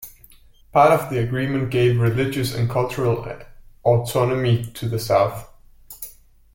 Part of the agreement gave religious and cultural autonomy to the south.